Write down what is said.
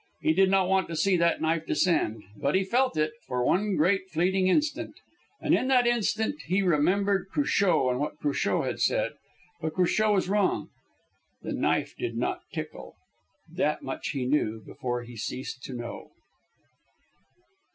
He did not want to see that knife descend. But he felt it for one great fleeting instant. And in that instant he remembered Cruchot and what Cruchot had said. But Cruchot was wrong. The knife did not tickle. That much he knew before he ceased to know.